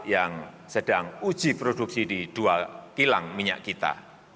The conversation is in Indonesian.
yang sedang uji produksi di dua kilang minyak kita